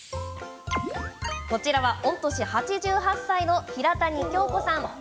こちらは御年８８歳の平谷京子さん。